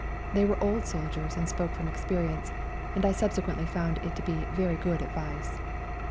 They were old soldiers and spoke from experience, and I subsequently found it to be very good advice.